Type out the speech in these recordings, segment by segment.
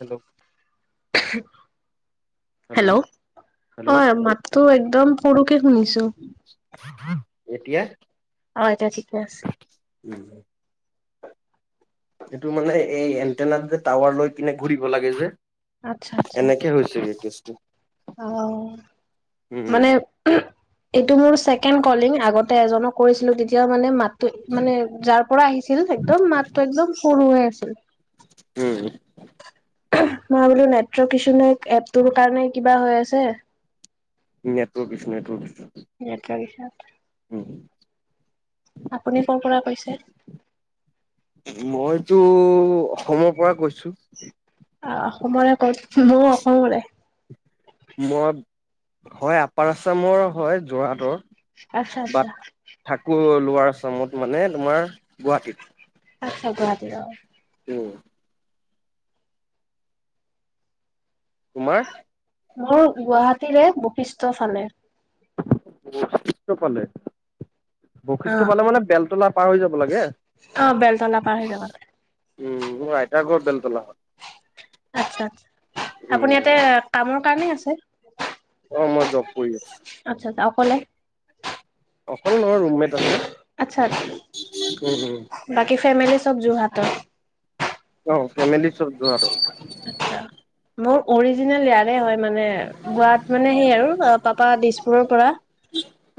Hello hello hello হয় মাতো একদম সৰুকে শুনিছো। এতিয়া অ এতিয়া ঠিকে আছে। উম এইটো মানে এই এনটেনা যে টাৱাৰ লৈ কিনে ঘূৰিব লাগে যে। আচ্ছা আচ্ছা এনেকে হৈছে কি কেচ অ উম মানে এইটো মোৰ চ ছেকেণ্ড কলিং আগতে এজনক কৰিছিলোঁ তেতিয়া মানে মাত মানে যাৰ পৰা আহিছিল একদম মাতটো একদম সৰু হৈ আছিল। উম মই বোলো নেটৱৰ্ক ইছো নে এপটোৰ কাৰণে কিবা হৈ আছে। Network issue network issue. Network issue. উম। আপুনি ক পৰা কৈছে। মইতো অসমৰ পৰা কৈছো। আহ অসমৰে কত মইও অসমৰে। মই হয় আপাৰ আছামৰ হয় যোৰহাটৰ। আচ্ছা আচ্ছা বাট থাকো লোৱাৰচমত মানে তোমাৰ গুৱাহাটীত। আচ্ছা গুৱাহাটী। উম। তোমাৰ? মোৰ গুৱাহাটীৰে বৈশিষ্ট চালে। শিষ্টকালে। অ বৈশিষ্ঠ পালে মানে বেলতলা পাৰ হৈ যাব লাগে। অ বেলতলা উম। আইতাৰ ঘৰ বেলতলা হয় আতছা আতছা আপুনি উম ইয়াতে কামৰ কানে আছে। অ মই যাব। আচ্ছা আচ্ছা অকলে। অকল নহয় ৰুমমেট আছে আচ্ছা আচ্ছা, উম উম। বাকী ফেমিলি চব যোৰহাটৰ। অঁ, ফেমিলি চব যোৰহাটৰ। আ মোৰৰি। ইয়াৰে হয় মানে গোৱাত মানে সেই আৰু পাপা দিছপুৰৰ পৰা।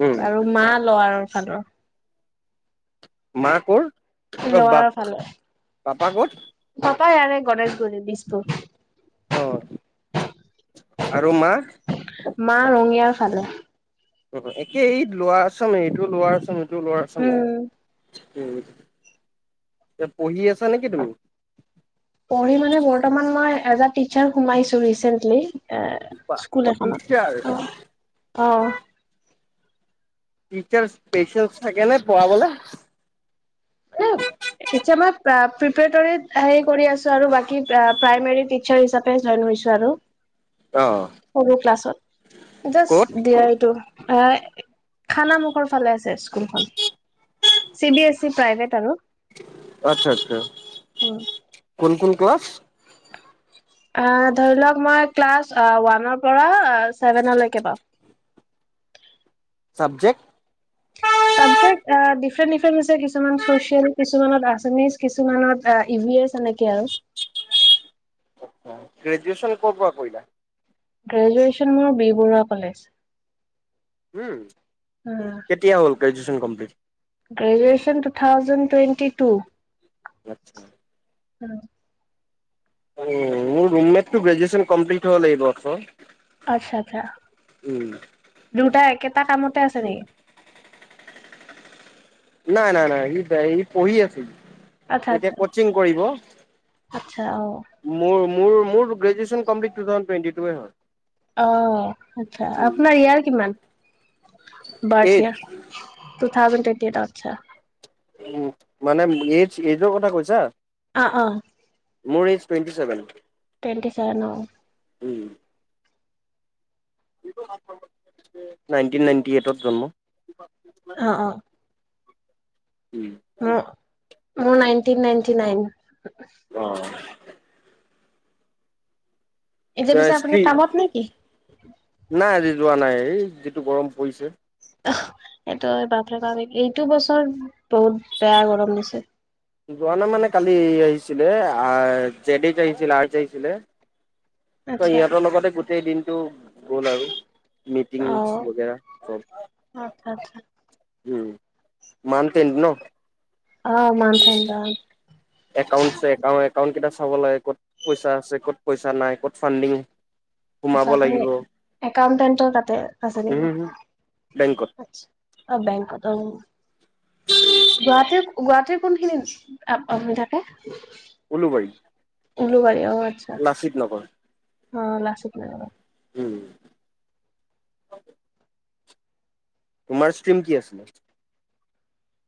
উম আৰু মা লৱাৰৰ ফালৰ। মা কৰ অ লৱাৰ বাপ পাপা কৰ? পায় আৰু গণেশগুৰি দিছপুৰ। অ আৰু মা? মা ৰঙিয়াৰ ফালে। একেই [unintelligible] এইটো লৰা আছা এইটো লৰা উম আছামেই। এ পঢ়ি আছা নেকি তুমি? পঢ়ি মানে বৰ্তমান মই এজে টিচাৰ সোমাইছো ৰিচেন্টলি। এ স্কুল এখনত টিচাৰ অ অ। টিচাৰ স্পেচেল থাকে ন পঢ়াবলে? এতিয়া মই প্ৰ প্ৰিপেটোৰিত হেই কৰি আছোঁ আৰু প্ৰাইমাৰী টিচাৰ হিচাপে জইন কৰি ছ আৰু অ সৰু ক্লাছত ক'ত জাষ্ট দিয়া এইটো এ খানা মুখৰ ফালে আছে স্কুলখন C B S E private আৰু আচ্ছা আচ্ছা কোন কোন ক্লাছ হয় ধৰি লওক মই ক্লাছ ওৱানৰ পৰা ছেভেনলৈকে পওঁ চাবজেক্ট চাবজেক্ট ডিফাৰেণ্ট ডিফাৰেণ্ট আছে কিছুমান চচিয়েল কিছুমানত আছামিছ কিছুমানত ই ভি এম ছা নেকি আৰু গ্ৰোজুচন কৰা কৰিলা গ্ৰেজুৱেশ্যন মোৰ বিবৰুৱা কলেজ উম কেতিয়া হ'ল graduation complete graduation two thousand twenty two আচ্ছা উম মোৰৰুমমেটটো গ্ৰেজন কম্লিট হ'ব লাগিব আচ্ছা আচছা দুটােটা কামতে আছে নেকি নাই নাই নাই সি ইি পঢ়ি আছিল আচ্ছা এতিয়া আচ্ছা কচিং কৰিব আচ্ছা আহ মোৰ মোৰ মোৰ গ্ৰেুৱেচন কমলিট থাউেড টুৱেটি টে হয় অ আচ্ছা আপোনাৰ ইয়াৰ কিমান এইজ বাৰ্থ ইয় থ উ মানে এই এইযোৰ কথা কৈছা অ অ মোৰ age twenty seven twenty seven অ উ নাইনটিন নাইনটি এইটত জন্ম অ অ ম মোৰ নাইনট নাইট নাইন অ এতিয়া এ পিছে স্ত আপুনি কামত নে কি নাই আজি যোৱা নাই এই যিটো গৰম পৰিছে সেইটো ব কাৰণ এইটো বছৰ বহুত বেয়া গৰম দিছে যোৱা নে মানে কালি আহিছিলে জেড আহিছিলে আ আহিছিলে ত আচ্ছা সিহঁতৰ লগতে গোটেই দিনটো গল আৰু মিটিং অ বাগে চব আচ্ছা আচ্ছা উম মান তেট ন অ মাউন্টেইন ডাউন অকাউণ্টছে অকাউট অকাউট কেটা ঠাব লাগে ক'ত পইচা আছে ক'ত পইচা নাই ক'ত ফাণ্ডিং সোমাব আচছা আপুনি লাগিব একাউন্টেন্টৰ তাতে আছে উম নেকি হু, বেংকত অ বংকত গুৱাহাটীৰ গুৱাহাটীৰ কোনখিনি হৈ থাকে উলু বাই গলো বাৰী লাচিত নগৰ অ লাচিত নাগ উম তোমাৰ ষ্ট্ৰ্ৰীম কি আছিলে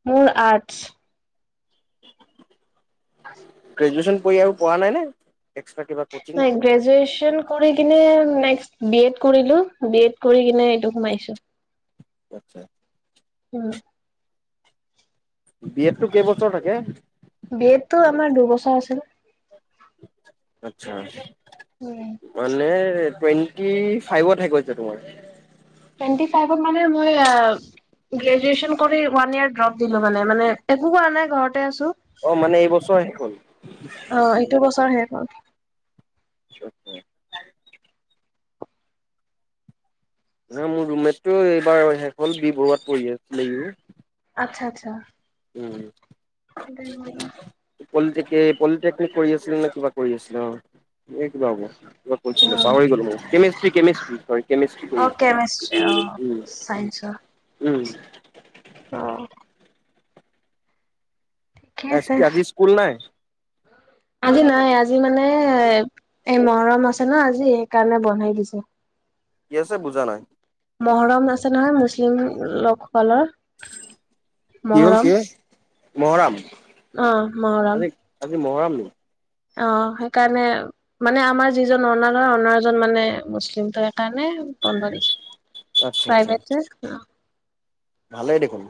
মোৰ আৰ্টছ আছে। গেজ্যুৱেচন কৰি আৰু পঢ়া নাইনে। নাই গ্ৰেজুৱেচন কৰি কিনে নেক্সট বি এড কৰিলো। বি এড কৰি কিনে এইটো সোমাইছো। আতছা। উম। বি এড টো কেইবছৰ থাকে। বি এড টো আমাৰ দুবছৰ আছে না। আচ্ছা উম মানে টুৱেণ্টি ফাইভহে [unintelligible] তোমাৰ টুৱেন্টি ফাইভত মানে মই গ্ৰেজুৱেচন কৰি ৱান ইয়াৰ দ্ৰপ মানে মানে একো কৰা নাই ঘৰ আছো অ মানে এইবছৰ শেষ হ'ল এইটো বছৰ শেষ অ [unintelligible] মোৰ ৰুমমেতটো এইবাৰ শেষ হ'ল বি বৰুৱাত পৰি আছিলে সিও আচ্ছা আচ্ছা উম পলিট পলিটেকনিক কৰি আছিল নে কিবা কৰি আছিল অ এই কিবা হ'ব কিবা কৈছিলে অ পাহৰি গল মই কেমেজস্ত্ৰি কেমেজস্ত্ৰি অ কেমেষ্ট্ৰি অ ছাইঞ্চেছ উম অ ঠিকে এছ পি আছে আজি স্কুল নাই আজি নাই আজি মানে এ মহৰম আছে ন আজি সেইকাৰণে বনাই দিছো কি আছে বুজা নাই মহৰম আছে নহয় মুছলিম লোকসকলৰ কি হ'ল কি মহৰম মহৰাম অ মহৰাম আজি আজি মহৰাম নি অ সেইকাৰণে মানে আমাৰ যিজন অনাৰ হয় অনাৰজন মানে মুছলিম ত সেইকাৰণে বন্ধ দিছে আচ্ছা আচ্ছা প্ৰাইভেট যে অ, ভালেই দেখোন।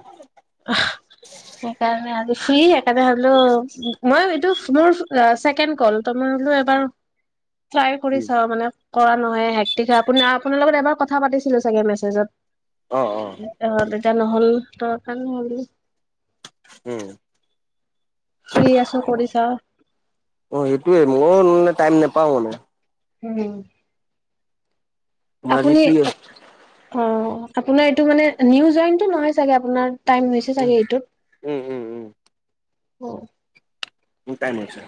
আ সেইকাৰণে আজি ফ্ৰী সেইকাৰণে হলো মই এইটো মোৰ চছেকেণ্ড কল তমই। হলো এবাৰ, [inaudible] ট্ৰাই কৰি উম চাও মানে। কৰা নহয় হেকটিকা আপ আপোনাৰ লগত এবাৰ কথা পাতিছিলো চাগে মেছেজত। অ এতিয়া নহ'ল ত কাৰণে হল। উম, ফ্ৰী আছো কৰি চাও অ সেইটোৱে মই মানে টাইম নাপা পাওঁ মানে, উম, মাজি [unintelligible] অ আপোনাৰ এইটো মানে নিউ জইনটো নহয় চাগে আপোনাৰ। টাইম হৈছে উম চাগে উম উম এইটোত অ, মোক তাই মাইছে।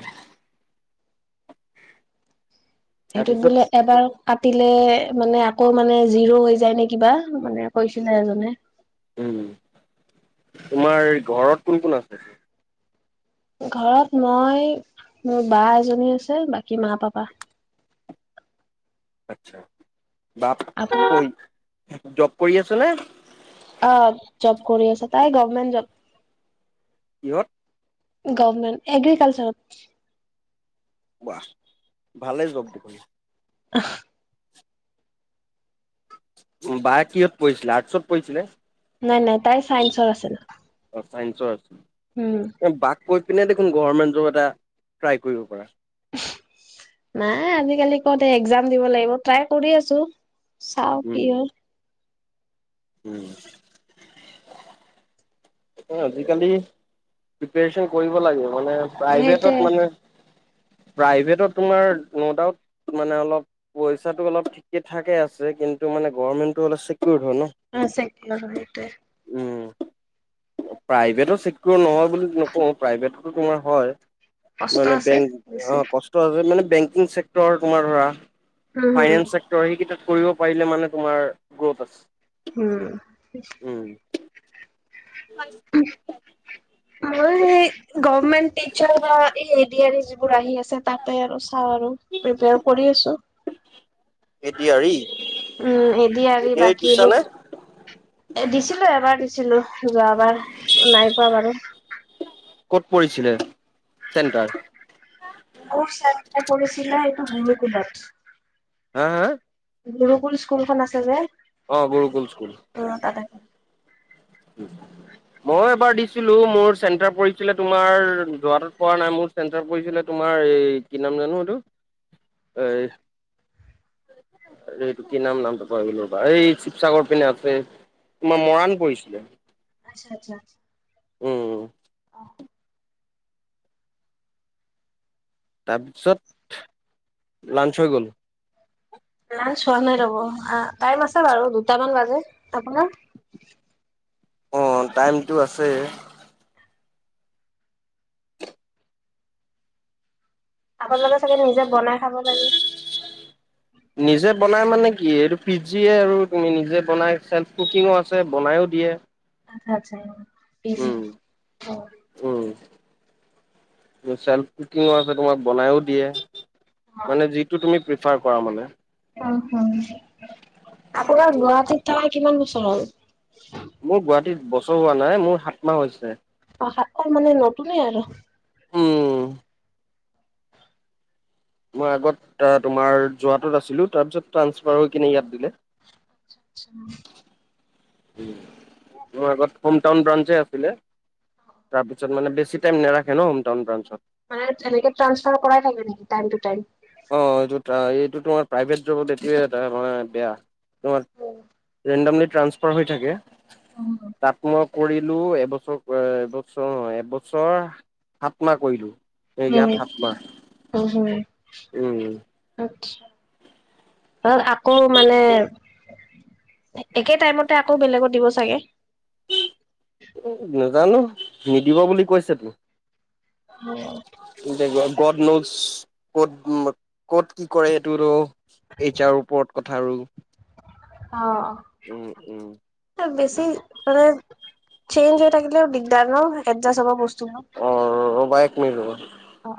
সেইটোত তাৰপিছত বোলে এবাৰ। কাটিলে মানে আকৌ মানে জিৰো হৈ যায় নে কিবা মানে কৈছিলে এজনে। উম তোমাৰ ঘৰত কোন কোন আছে ঘৰত মই মোৰ বা এজনী আছে বাকী মা পাপা [unintelligible] আা বাাপ আপুনি জব কৰি আছে নে অ জব কৰি আছ তাই গভমেণ্ট জব ইহঁত গভমেণ্ট এগ্ৰিকালচাৰত ৱাহ ভালেই যওক দেখন [inaudible] উম বাই কিহত পৰিঢ়ছিলে আৰ্টছত পৰিঢিছিলে। নাই নাই তাই চাইন্সৰ আছিল। চাইঞ্চৰ উম কৈ পিনে দেখোন গভমেণ্ট জব এটা ট্ৰাই কৰিব পাৰা। নাই আজিকালি কত এক্জাম দিব লাগিব ট্ৰাই কৰি আছো। চা ও উম কি হয় উম আজিকালি প্ৰিপেছন কৰিব লাগে মানে সেইটোৱে প্ৰাইভেটত মানে প্ৰাইভেটত তোমাৰ ন মতা মানে অলপ পইচাটো অলপ ঠিকে থাকে আছে। কিন্তু মানে গভৰ্মেন্তটো অলপ চে অ চেক [unintelligible] প্ৰাইভেটো চিকিৰ নহয় বুলি নকওঁ প্ৰাইভেটতো তোমাৰ হয় কষ্ট মানে আছে বেংক বেছি। অ কষ্ট আছে মানে বেংকিং চেক্টৰ তোমাৰ ধৰা উম হুম। ফাইনেন্স চেক্টৰ সেইকেইটাত কৰিব পাৰিলে মানে তোমাৰ গ্ৰ'থ আছে। উম উম, মই সেই গভৰ্মেন্ত টিচাৰ বা এই এ দি আৰ ই বোৰ আহি আছে তাতে আৰু চাওঁ আৰু প্ৰিপেয়াৰ কৰি আছো A D R E, um A D R E আৰু ডি আৰ বাকী দিছা নে? এইবোৰ দিছোঁ এবাৰ দিছিলো যোৱাবাৰ নাই পোৱা বাৰু ক'ত পৰিছিলে চেণ্টাৰ? কুকুৰ চাৰাই পছিল এইটো গৰুকুলত হা হা গৰুকুল স্কুলখন আছে যে অ গৰুকুল স্কুল অ তাতে উম মই এবাৰ দিছিলো মোৰ চেণ্টাৰ পৰিছিলে তোমাৰ যোৰহাটত পৰা নাই মোৰ চেণ্টাৰ পৰিছিলে তোমাৰ তোমাৰ এই কি নাম জানো এইটো এ এইটো কি নাম নামটো পাহৰিলো ৰবা এই শিৱসাগৰ পিনে আছে তোমাৰ মৰাণ পৰিছিলে আচ্ছা আচ্ছা উম অ তাৰপিছত লাঞ্চ হৈ গ'ল লাঞ্চ হোৱা নাই ৰ'ব আহ টাইম আছে বাৰু দুটামান বাজে আপোনাৰ অ টাইমটো আছে আপোনালোকৰ চাগে নিজে বনাই খাব লাগে। নিজে বনাই মানে কি এইটো ফিজজিয়ে আৰু তুমি নিজে বনাই চেল্ফ কুকিঙো আছে বনাইও দিয়ে আচ্ছা আচ্ছা পিজি উম, অ উম, চেল্ফ কুকিঙৰ আছে তোমাক বনাইও হ দিয়ে। যিটো তুমি প্ৰিফাৰ কৰা মানে। উম, আপোনাৰ গুৱাহাটীত থকা কিমান বছৰ হল? মোৰ গুৱাহাটীত বছৰ হোৱা নাই মোৰ সাত মাহ হৈছে। অ সাত মাহ মানে নতুনে আৰু। উম, মই আগত তুমাৰ যোৱাটোত আছিলো তাৰপিছত ট্ৰাসফাৰ হৈ কিনে ইয়াত দিলে। অ আচ্ছা। মোৰ আগত হোমটাউন ব্ৰাঞ্চে আছিলে। তাৰপিছত মানে বেছি টাইম নাৰখে ন হোম টাউন বাঞ্চত। মানে এনেকে ট্ৰানসফাৰ কৰাই থাকে নেকি টাইম টু টাইম। অ এইটো এইটো তোমাৰ প্ৰাইভেট জবত এইটোৱে মানে বেয়া তোমাৰ। ৰেণ্ডামলি ট্ৰাসফাৰ হৈ থাকে, উম তাত মই। কৰিলোঁ এবছৰ এবছৰ এবছৰ সাতমাহ কৰিলোঁ। হয় অ' হয় উম ধ আকৌ মানে একে টাইমতে আকৌ বেলেগত দিব চাগে। নাজানো, নিদিব বুলি কৈছে তো। অ'। ক'ত নোজ ক'ত ক'ত কি কৰে সেইটোতো এইচাৰ ওপৰত ক'ত [unintelligible] উম অ' বেছি মানে চেইঞ্জ হৈ থাকিলেও দিগদাৰ ন, এডজাষ্ট হব অ বস্তুবোৰ। ৰ'বা এক মিনিট ৰবা অ'।